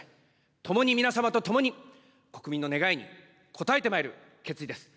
共に、皆様と共に国民の願いに応えてまいる決意です。